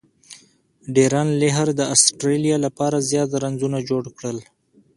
ډیرن لیهر د اسټرالیا له پاره زیات رنزونه جوړ کړل.